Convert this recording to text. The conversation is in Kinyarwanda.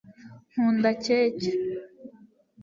nkunda keke